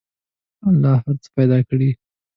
الله هر څه پیدا کړي.